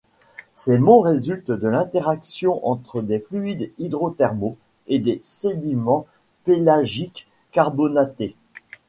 Ces monts résultent de l'interaction entre des fluides hydrothermaux et des sédiments pélagiques carbonatés.